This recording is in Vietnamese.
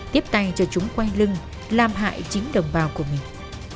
tiếp tay cho chúng quay lưng làm hại chính đồng bào của mình